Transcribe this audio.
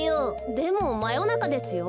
でもまよなかですよ。